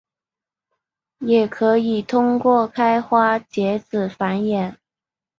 也可以通过开花结籽繁衍。